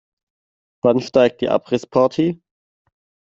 Wann steigt die Abrissparty?